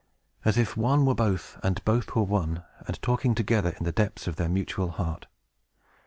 as if one were both and both were one, and talking together in the depths of their mutual heart.